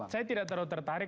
saya tidak terlalu tertarik